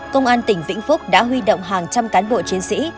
công an tỉnh vĩnh phúc đã huy động hàng trăm cán bộ chiến sĩ